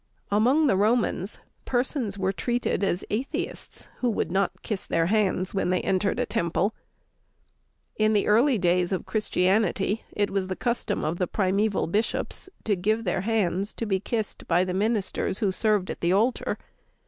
Among the Romans, persons were treated as atheists who would not kiss their hands when they entered a temple. In the early days of Christianity, it was the custom of the primeval bishops to give their hands to be kissed by the ministers who served at the altar.